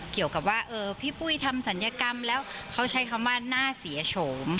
เกี่ยวกับว่าพี่ปุ้ยทำศัลยกรรมแล้วเขาใช้คำว่าน่าเสียโฉม